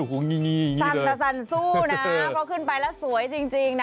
สั่นแต่สั่นสู้นะเพราะขึ้นไปแล้วสวยจริง